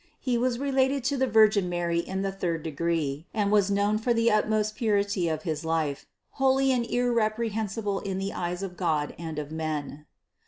He was related to the Virgin Mary in the third degree, and was known for the utmost purity of his life, holy and irreprehensible in the eyes of God and of men.